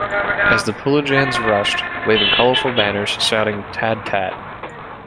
As the Pulajans rushed, waving colorful banners, shouting Tad-Tad!